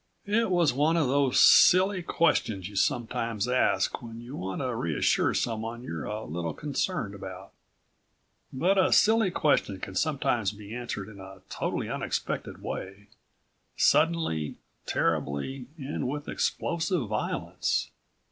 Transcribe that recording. It was one of those silly questions you sometimes ask when you want to reassure someone you're a little concerned about. But a silly question can sometimes be answered in a totally unexpected way suddenly, terribly and with explosive violence.